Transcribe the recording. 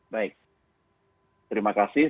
baik terima kasih